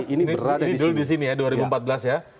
ini dulu disini ya dua ribu empat belas ya